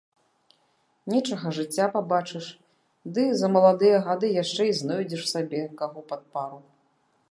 Нечага жыцця пабачыш ды за маладыя гады яшчэ і знойдзеш сабе каго пад пару.